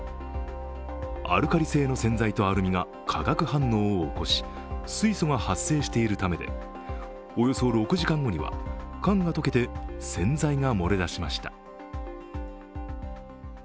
アルカリ性の洗剤とアルミが化学反応を起こし水素が発生しているためで、およそ６時間後には缶が溶けて洗剤が漏れ出しました。